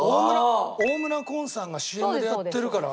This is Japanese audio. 大村崑さんがＣＭでやってるから。